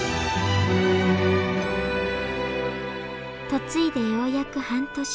嫁いでようやく半年。